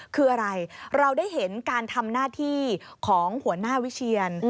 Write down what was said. คืออะไรเราได้เห็นการทำหน้าที่ของหัวหน้าวิเชียน